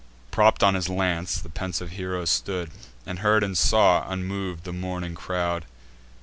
Propp'd on his lance the pensive hero stood, And heard and saw, unmov'd, the mourning crowd.